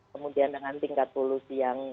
kemudian dengan tingkat polusi yang